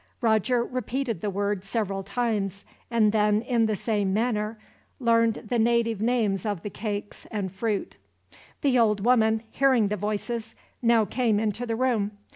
Roger repeated the word several times, and then, in the same manner, learned the native names of the cakes and fruit. The old woman, hearing the voices, now came into the room.